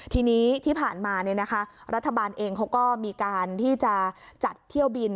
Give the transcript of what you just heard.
ทีนี้ที่ผ่านมารัฐบาลเองเขาก็มีการที่จะจัดเที่ยวบิน